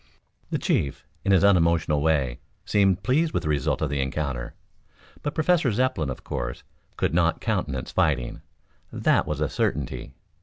The chief, in his unemotional way, seemed pleased with the result of the encounter. But Professor Zepplin, of course, could not countenance fighting. That was a certainty.